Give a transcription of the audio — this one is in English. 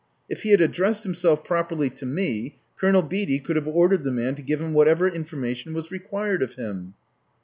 If he had addressed himself properly to me, Colonel Beatty could have ordered the man to give him whatever information was required of him."